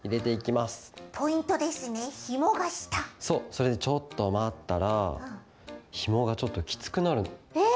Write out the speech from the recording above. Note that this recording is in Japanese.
それでちょっとまったらひもがちょっときつくなるの。え！？